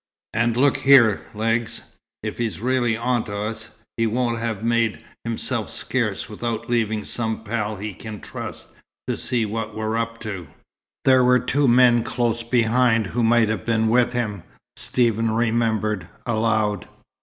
And look here, Legs, if he's really onto us, he won't have made himself scarce without leaving some pal he can trust, to see what we're up to." "There were two men close behind who might have been with him," Stephen remembered aloud.